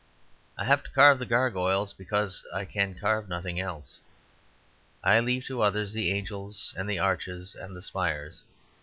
I have to carve the gargoyles, because I can carve nothing else; I leave to others the angels and the arches and the spires.